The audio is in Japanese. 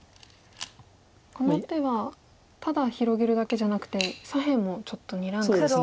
この手はただ広げるだけじゃなくて左辺もちょっとにらんでますか。